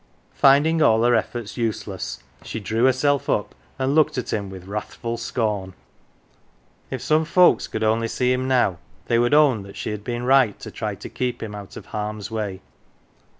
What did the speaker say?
Finding all her efforts useless, she drew herself up, and looked at him with wrathful scorn. If some folks could only see him now they would own that she had been right to try to keep him out of harm's way.